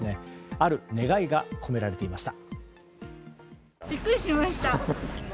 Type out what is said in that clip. ある願いが込められていました。